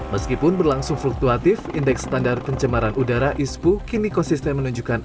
meskipun berlangsung fluktuatif indeks standar pencemaran udara ispu kini konsisten menunjukkan